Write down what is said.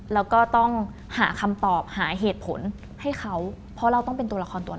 แล้วก็ต้องหาคำตอบหาเหตุผลให้เขาเพราะเราต้องเป็นตัวละครตัวนั้น